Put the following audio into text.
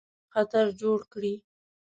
خطر جوړ کړي.